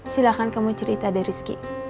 silahkan kamu cerita dari rizky